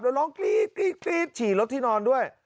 แล้วร้องกรี๊ดฉี่รถที่นอนด้วย